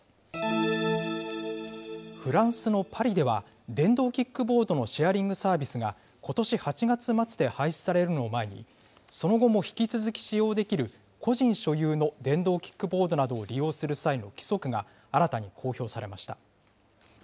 フランスのパリでは、電動キックボードのシェアリングサービスが、ことし８月末で廃止されるのを前に、その後も引き続き使用できる個人所有の電動キックボードなどを利用する際の規則が新たに公表されました。